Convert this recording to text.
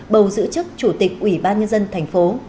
bầu giữ chức chủ tịch ủy ban nhân dân thành phố